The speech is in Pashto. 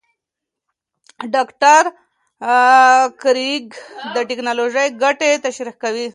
ډاکټر کریګ د ټېکنالوژۍ ګټې تشریح کوي.